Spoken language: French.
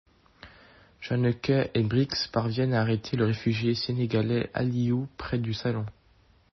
Janneke et Brix parviennent à arrêter le réfugié sénégalais Aliou près du salon.